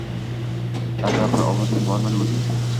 Darvoqe, ovozing bormidi oʻzi?